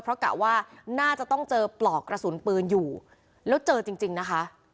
เพราะกะว่าน่าจะต้องเจอปลอกกระสุนปืนอยู่แล้วเจอจริงนะคะ